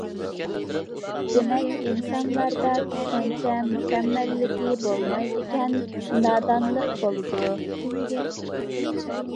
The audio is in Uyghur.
دېمەك، ئىنسانلاردا چۈشەنچە مۇكەممەللىكى بولمايدىكەن نادانلىق بولىدۇ.